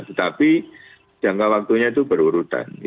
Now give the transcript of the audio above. tetapi jangka waktunya itu berurutan